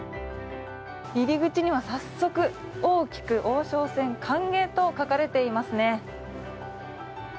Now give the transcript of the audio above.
入り口には早速、大きく「王将戦歓迎」と書かれていますね。